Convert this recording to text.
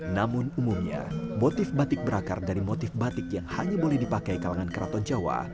namun umumnya motif batik berakar dari motif batik yang hanya boleh dipakai kalangan keraton jawa